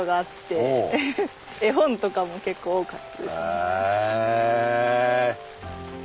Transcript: へえ。